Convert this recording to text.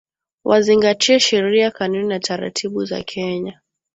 Wazingatie sheria kanuni na taratibu za Kenya